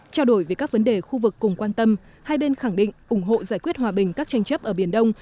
trao đổi về các vấn đề khu vực cùng quan tâm hai bên khẳng định ủng hộ giải quyết hòa bình các tranh chấp ở biển đông